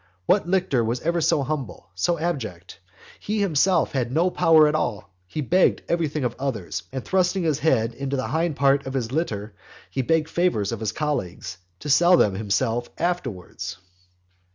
What lictor was ever so humble, so abject? He himself had no power at all; he begged everything of others; and thrusting his head into the hind part of his litter, he begged favours of his colleagues, to sell them himself afterwards.